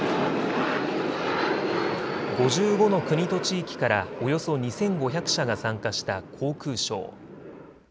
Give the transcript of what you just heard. ５５の国と地域からおよそ２５００社が参加した航空ショー。